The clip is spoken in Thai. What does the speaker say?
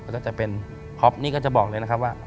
ก็จะเป็นท็อปนี่ก็จะบอกเลยนะครับว่า